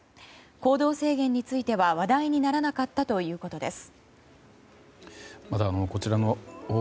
行動制限については話題にならなかったということです。